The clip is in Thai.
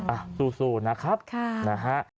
อ่ะสู้นะครับค่ะนะฮะ